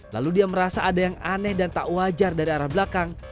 lalu dia merasa ada yang aneh dan tak wajar dari arah belakang